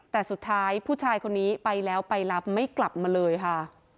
แต่สุดท้ายผู้ชายคนนี้ไปแล้วไปรับไม่กลับมาเลยค่ะ